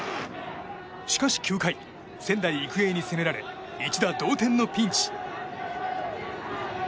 しかし９回、仙台育英に攻められ一打同点のピンチ。